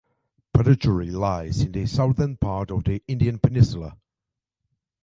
Puducherry lies in the southern part of the Indian Peninsula.